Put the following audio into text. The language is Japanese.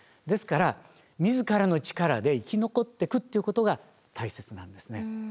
ですから自らの力で生き残っていくっていうことが大切なんですね。